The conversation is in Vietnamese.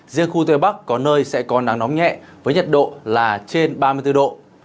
riêng khu tây bắc có nơi sẽ có nắng nóng nhẹ với nhiệt độ là trên ba mươi bốn độ